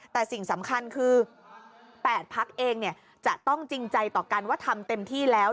แต่สิ่งสำคัญคือ๘พักเองจะต้องจริงใจต่อกันว่าทำเต็มที่แล้ว